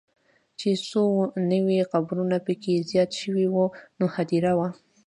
چې څو نوي قبرونه به پکې زیات شوي وو، نوې هدیره وه.